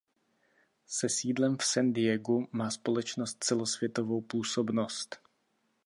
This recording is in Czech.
Se sídlem v San Diegu má společnost celosvětovou působnost.